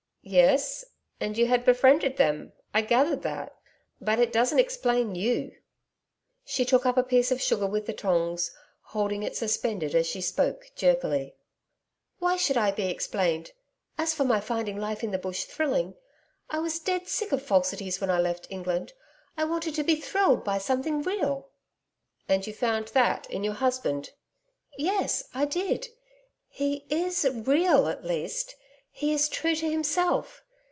'Yes? And you had befriended them I gathered that. But it doesn't explain YOU.' She took up a piece of sugar with the tongs, holding it suspended as she spoke, jerkily. 'Why should I be explained? As for my finding life in the Bush thrilling.... I was dead sick of falsities when I left England, I wanted to be thrilled by something real.' 'And you found that in your husband?' 'Yes; I did. He IS real, at least. He is true to himself.